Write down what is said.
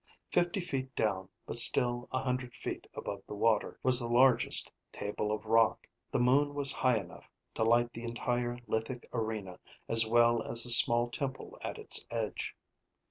Fifty feet down, but still a hundred feet above the water, was the largest table of rock. The moon was high enough to light the entire lithic arena as well as the small temple at its edge.